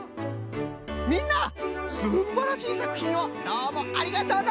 みんなすんばらしいさくひんをどうもありがとうの！